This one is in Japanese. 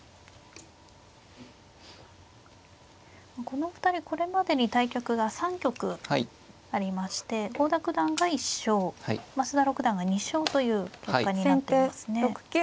このお二人これまでに対局が３局ありまして郷田九段が１勝増田六段が２勝という結果になっていますね。